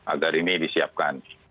agar ini disiapkan